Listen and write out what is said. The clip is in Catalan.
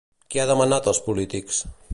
Què ha demanat als polítics?